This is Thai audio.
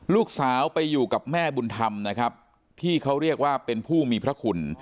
ลูกสาวไปอยู่กับแม่บุญธรรมนะครับที่เขาเรียกว่าเป็นผู้มีพระคุณ